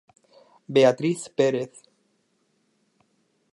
Beatriz Pérez...